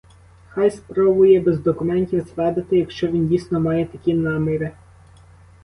Хай спробує без документів зрадити, якщо він, дійсно, має такі наміри.